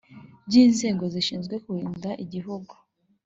by inzego zishinzwe kurinda igihugu